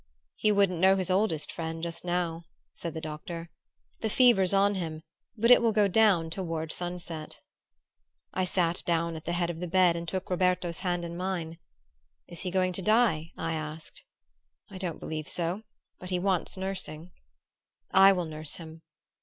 "He wouldn't know his oldest friend just now," said the doctor. "The fever's on him; but it will go down toward sunset." I sat down at the head of the bed and took Roberto's hand in mine. "Is he going to die?" I asked. "I don't believe so; but he wants nursing." "I will nurse him."